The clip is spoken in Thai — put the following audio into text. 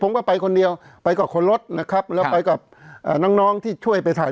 ผมก็ไปคนเดียวไปกับคนรถนะครับแล้วไปกับน้องน้องที่ช่วยไปถ่าย